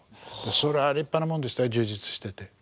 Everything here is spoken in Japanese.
それは立派なもんでしたよ充実してて。